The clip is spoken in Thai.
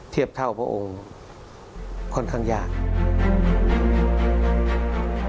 เทียบเท่าพระองค์ค่อนข้างยาก